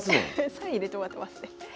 サイン入れてもらってますね。